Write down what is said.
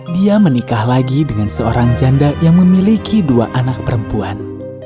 dia menikah lagi dengan seorang janda yang memiliki dua anak perempuan